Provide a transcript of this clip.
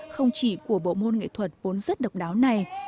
không chỉ của bộ môn nghệ thuật vốn rất độc đáo này